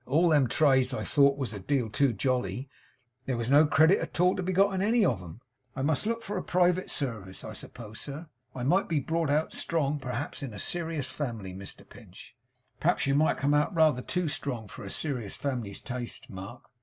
All them trades I thought of was a deal too jolly; there was no credit at all to be got in any of 'em. I must look for a private service, I suppose, sir. I might be brought out strong, perhaps, in a serious family, Mr Pinch.' 'Perhaps you might come out rather too strong for a serious family's taste, Mark.